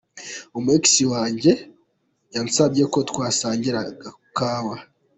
Umu-Ex wanjye yansabye ko twasangira agakawa.